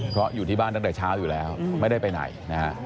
เพราะอยู่ที่บ้านตั้งแต่เช้าอยู่แล้วไม่ได้ไปไหนนะฮะ